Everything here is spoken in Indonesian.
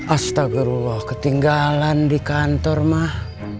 astagrullah ketinggalan di kantor mah